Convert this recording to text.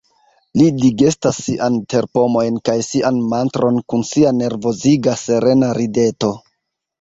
Li digestas siajn terpomojn kaj sian mantron kun sia nervoziga serena rideto.